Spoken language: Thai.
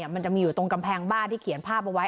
มันจะมีอยู่ตรงกำแพงบ้านที่เขียนภาพเอาไว้